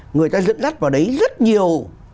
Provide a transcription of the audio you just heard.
người ta dẫn dắt vào đấy rất nhiều